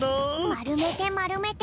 まるめてまるめて。